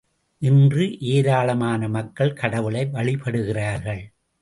இன்று ஏராளமான மக்கள் கடவுளை வழிபடுகிறார்கள்!